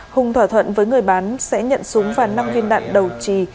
hùng thỏa thuận với người bán sẽ nhận súng và năm viên đạn đầu trì